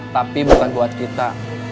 tapi bukan buat kita